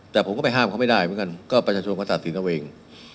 แต่ผมก็ไปห้ามเขาไม่ได้เหมือนกันก็ประชาชนเขาตัดสินเอาเอง